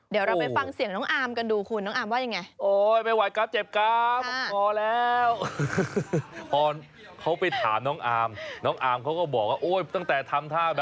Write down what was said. เดี๋ยวเราไปฟังเสียงน้องอาร์มกันดูคุณน้องอาร์มว่ายังไง